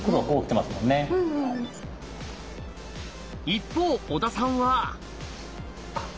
一方小田さんは。